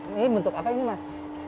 ini bentuk apa ini mas